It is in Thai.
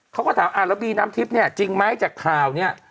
เขาก็ถามอ่าแล้วบีน้ำทิพย์เนี่ยจริงไหมจากข่าวเนี่ย